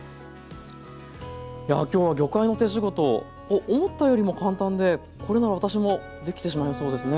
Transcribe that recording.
いや今日は魚介の手仕事思ったよりも簡単でこれなら私もできてしまいそうですね。